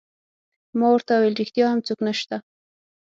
ما ورته وویل: ریښتیا هم څوک نشته؟